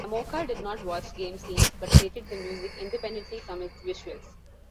Yamaoka did not watch game scenes, but created the music independently from its visuals.